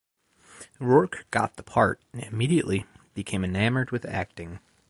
Rourke got the part and immediately became enamored with acting.